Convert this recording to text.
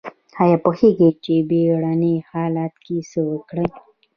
ایا پوهیږئ چې بیړني حالت کې څه وکړئ؟